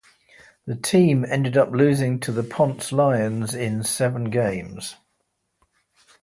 The team ended up losing to the Ponce Lions in seven games.